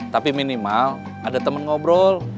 tapi minimal ada teman ngobrol